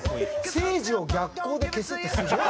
せいじを逆光で消すってすごい！